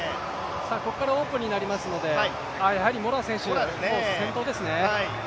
ここからオープンになりますのでやはりモラア選手、先頭ですね。